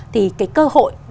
thì cái cơ hội